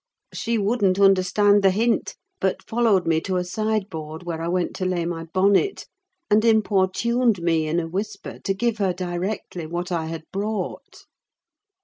She wouldn't understand the hint, but followed me to a sideboard, where I went to lay my bonnet, and importuned me in a whisper to give her directly what I had brought.